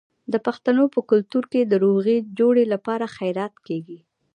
د پښتنو په کلتور کې د روغې جوړې لپاره خیرات کیږي.